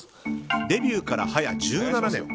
デビューから早１７年。